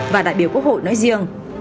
và đại biểu quốc hội nói riêng